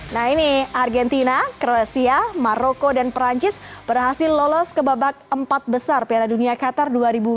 nah ini argentina kroasia maroko dan perancis berhasil lolos ke babak empat besar piala dunia qatar dua ribu dua puluh